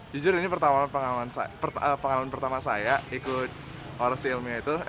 jujur ini pengalaman pertama saya ikut orasi ilmiah itu